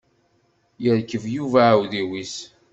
Yerkeb Yuba aɛudiw-is.